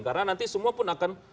karena nanti semua pun akan